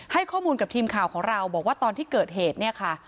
ให้ข้อมูลกับทีมข่าวของเราบอกว่าตอนที่เกิดเหตุเนี่ยค่ะ